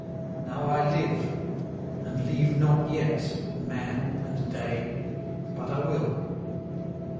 Now I live, and leave not yet man and day; but I will.'